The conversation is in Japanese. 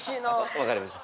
分かりました。